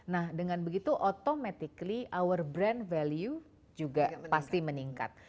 nah dengan begitu automatically our brand value juga pasti meningkat